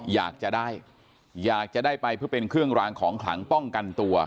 อยากจะได้อยากจะได้ไปเพื่อเป็นเครื่องรางของขลังป้องกันตัว